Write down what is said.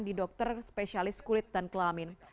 di dokter spesialis kulit dan kelamin